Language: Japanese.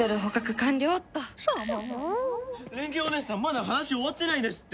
蓮華お姉さんまだ話終わってないですって！